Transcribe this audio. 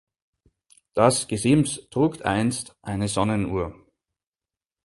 Das Gesims trug einst eine Sonnenuhr.